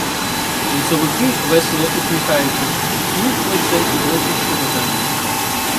Лісовики, весело усміхаючись, слухали це дівоче щебетання.